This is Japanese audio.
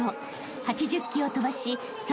［８０機を飛ばし３